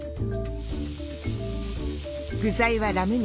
具材はラム肉。